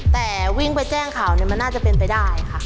แต่วิ่งไปแจ้งข่าวเนี่ยมันน่าจะเป็นไปได้ค่ะ